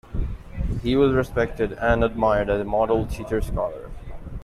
He was respected and admired as a model teacher-scholar.